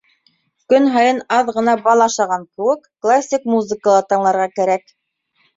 - Көн һайын аҙ ғына бал ашаған кеүек, классик музыка ла тыңларға кәрәк.